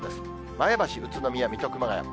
前橋、宇都宮、水戸、熊谷。